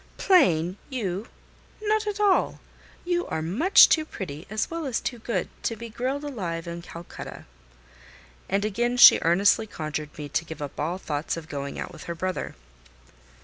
"Plain! You? Not at all. You are much too pretty, as well as too good, to be grilled alive in Calcutta." And again she earnestly conjured me to give up all thoughts of going out with her brother.